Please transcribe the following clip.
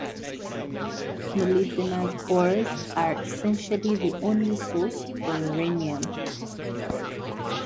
Molybdenite ores are essentially the only source for rhenium.